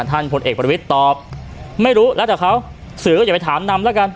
พลเอกประวิทย์ตอบไม่รู้แล้วแต่เขาสื่อก็อย่าไปถามนำแล้วกัน